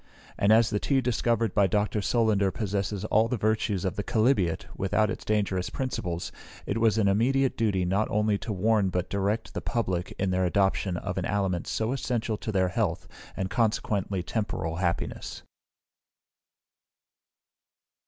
And as the tea discovered by Dr. Solander possesses all the virtues of the chalybeate, without its dangerous principles, it was an immediate duty not only to warn but direct the Public in their adoption of an aliment so essential to their health, and consequently temporal happiness.